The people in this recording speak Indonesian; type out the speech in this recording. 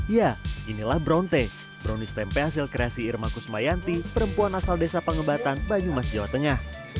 ya inilah brownte brownies tempe hasil kreasi irma kusmayanti perempuan asal desa pengebatan banyumas jawa tengah